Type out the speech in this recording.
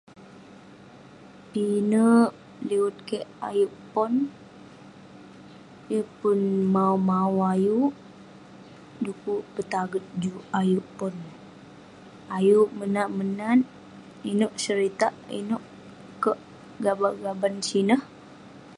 Pinek liwet keik ayuk pon..Yeng pun mau mau ayuk, du'kuk petaget juk ayuk pon..ayuk menat menat, inouk seritak, inouk kerk gaban gaban sineh.